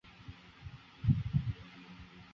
分权的目的在于避免独裁者的产生。